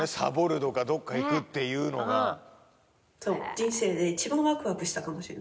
人生で一番ワクワクしたかもしれないぐらい。